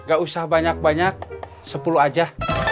gak usah banyak banyak sepuluh aja